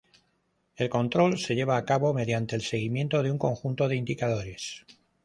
El control se lleva a cabo mediante el seguimiento de un conjunto de indicadores.